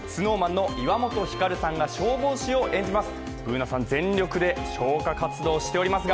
ＳｎｏｗＭａｎの岩本照さんが消防士を演じます。